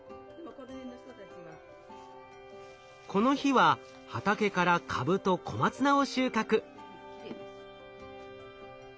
この日は畑からカブと小松菜を収穫。